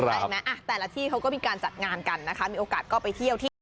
เห็นไหมแต่ละที่เขาก็มีการจัดงานกันนะคะมีโอกาสก็ไปเที่ยวที่อื่น